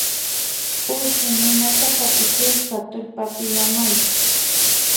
Ushi ninata hapichishpa tullpapi yanuy